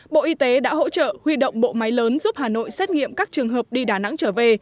bộ y tế đã hỗ trợ huy động bộ máy lớn giúp hà nội xét nghiệm các trường hợp đi đà nẵng trở về